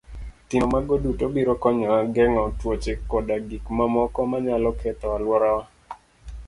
Timo mago duto biro konyowa geng'o tuoche koda gik mamoko manyalo ketho alworawa.